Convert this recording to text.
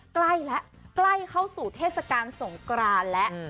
ใกล้แล้วใกล้เข้าสู่เทศกาลสงกรานแล้ว